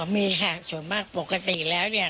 มีค่ะส่วนมากปกติแล้วเนี่ย